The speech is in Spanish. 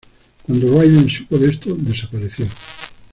Cuando Raiden supo de esto, desapareció.